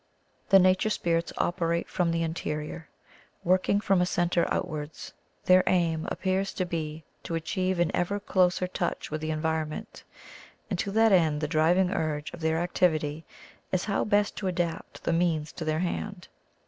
The nature spirits operate from the interior, working from a centre out wards. Their aim appears to be to achieve an ever closer touch with the environment, and to that end the driving urge of their ac tivity is how best to adapt the means to their hand.